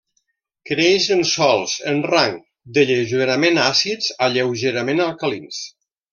Creix en sòls en el rang de lleugerament àcids a lleugerament alcalins.